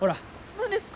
何ですか？